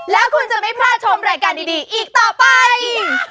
แล้วคุณจะไม่พลาดชมรายการดีอีกต่อไป